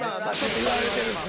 言われてるんです。